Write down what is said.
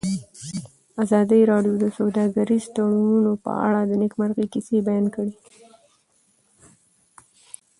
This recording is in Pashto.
ازادي راډیو د سوداګریز تړونونه په اړه د نېکمرغۍ کیسې بیان کړې.